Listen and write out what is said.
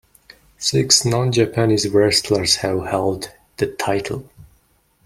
Six non-Japanese wrestlers have held the title.